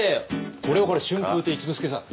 これはこれは春風亭一之輔さん。